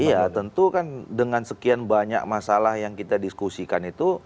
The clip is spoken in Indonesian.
iya tentu kan dengan sekian banyak masalah yang kita diskusikan itu